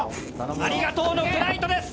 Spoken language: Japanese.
ありがとうのフライトです！